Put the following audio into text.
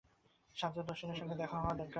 সাজ্জাদ হোসেনের সঙ্গে দেখা হওয়া দরকার।